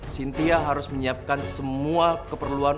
cynthia harus menyiapkan semua keperluan